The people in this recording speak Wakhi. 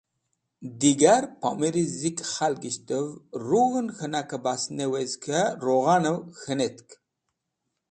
Digar pomẽri zikẽ khalgisht rug̃hẽn k̃hẽnakẽ bas ne wezg k̃hẽ rughanẽn k̃hanẽn